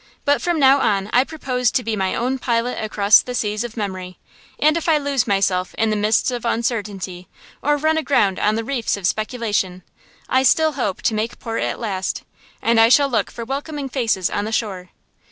But from now on I propose to be my own pilot across the seas of memory; and if I lose myself in the mists of uncertainty, or run aground on the reefs of speculation, I still hope to make port at last, and I shall look for welcoming faces on the shore.